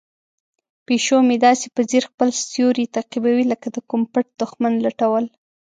پیشو مې داسې په ځیر خپل سیوری تعقیبوي لکه د کوم پټ دښمن لټول.